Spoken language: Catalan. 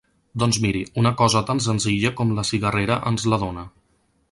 Doncs miri, una cosa tan senzilla com la cigarrera ens la dóna.